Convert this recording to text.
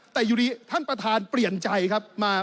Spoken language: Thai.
แต่อยู่ดีท่านประธานเปลี่ยนใจครับมา